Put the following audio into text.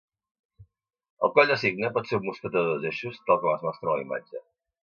El coll de cigne pot ser un mosquetó de dos eixos tal com es mostra a la imatge.